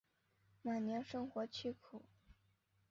晚年生活凄苦。